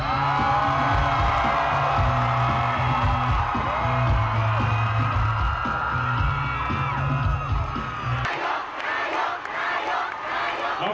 นายกนายกนายก